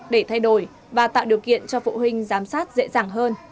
để thay đổi và tạo điều kiện cho phụ huynh giám sát dễ dàng hơn